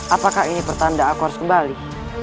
apakah ini pertanda aku harus kembali